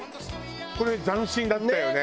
これ斬新だったよね。